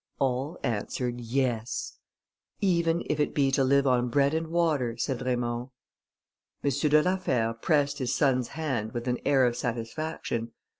All answered "Yes!" "Even if it be to live on bread and water," said Raymond. M. de la Fère pressed his son's hand with an air of satisfaction.